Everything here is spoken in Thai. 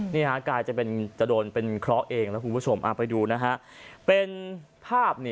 ที่ฉันเชิงเสาเนี่ย๒๓นิปาลรหยาคู่นึง